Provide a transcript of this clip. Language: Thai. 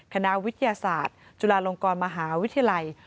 คณะวิทยาศาสตร์จุฬาลงกรมหาวิทยาลัย